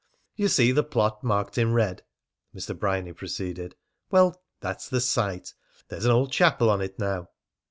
"You see the plot marked in red?" Mr. Bryany proceeded. "Well, that's the site. There's an old chapel on it now."